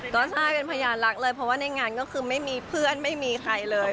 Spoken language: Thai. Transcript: ก็ใช่เป็นพยานรักเลยเพราะว่าในงานก็คือไม่มีเพื่อนไม่มีใครเลย